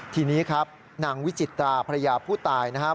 ทีนี้ครับนางวิจิตราภรรยาผู้ตายนะครับ